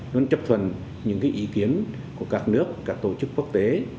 luôn chấp thuần những cái ý kiến của các nước các tổ chức quốc tế